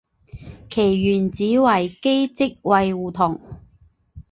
其原址为机织卫胡同。